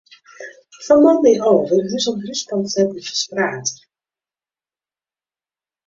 Fan moandei ôf wurde hûs oan hûs pamfletten ferspraat.